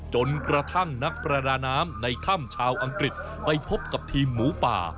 จนกระทั่งนักประดาน้ำในถ้ำชาวอังกฤษไปพบกับทีมหมูป่า